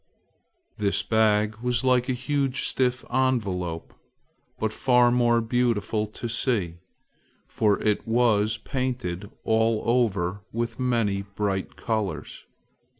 This bag was like a huge stiff envelope, but far more beautiful to see, for it was painted all over with many bright colors.